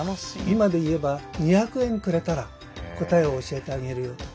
今で言えば２００円くれたら答えを教えてあげるよと。